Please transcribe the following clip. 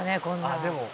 「あっでも」